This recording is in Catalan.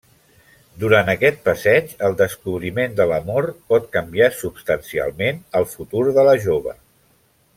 Durant aquest passeig, el descobriment de l'amor pot canviar substancialment el futur de la jove.